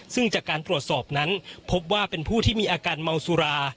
ซึ่งจากการตรวจสอบนั้นพบว่าเป็นผู้ที่มีอาการเมาสุรา